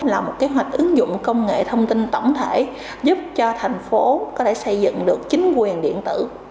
là một kế hoạch ứng dụng công nghệ thông tin tổng thể giúp cho thành phố có thể xây dựng được chính quyền điện tử